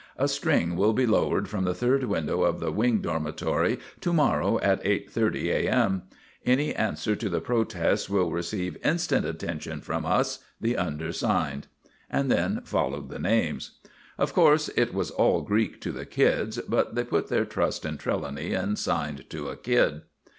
A string will be lowered from the third window of the Wing Dormitory to morrow at 8.30 A.M. Any answer to the protest will receive instant attention from us the undersigned." Then followed the names. Of course, it was all Greek to the kids, but they put their trust in Trelawny and signed to a kid.